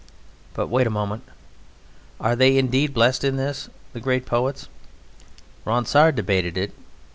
But wait a moment. Are they indeed blessed in this, the great poets? Ronsard debated it.